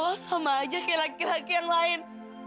lo sama aja kayak laki laki yang lain